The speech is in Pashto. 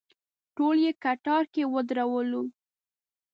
ټول یې کتار کې ودرولو.